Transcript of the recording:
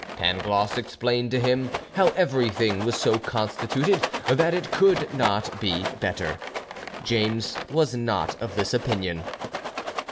Pangloss explained to him how everything was so constituted that it could not be better. James was not of this opinion.